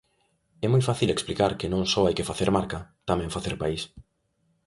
É moi fácil explicar que non só hai que facer marca, tamén facer país.